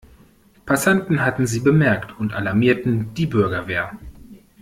Passanten hatten sie bemerkt und alarmierten die Bürgerwehr.